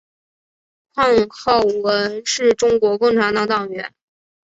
况浩文是中国共产党党员。